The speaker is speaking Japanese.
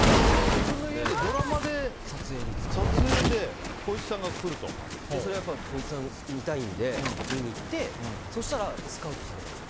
自分の家で、ドラマの撮影でやっぱり光一さん見たいので見に行ってそしたらスカウトされたんですよ